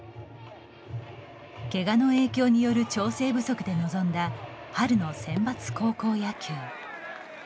けがの影響による調整不足で臨んだ春のセンバツ高校野球。